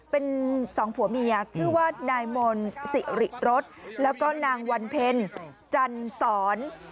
เป็นสองผัวเมียชื่อว่านายมนต์สิริรสแล้วก็นางวันเพ็ญจันสอน